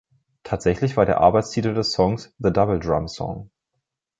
Tatsächlich war der Arbeitstitel des Songs „The Double Drum Song“.